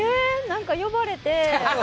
なんか呼ばれて。